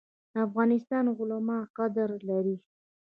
د افغانستان علما قدر لري